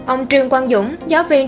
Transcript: ông trương quang dũng giáo viên